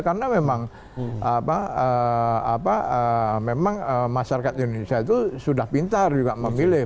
karena memang masyarakat indonesia itu sudah pintar juga memilih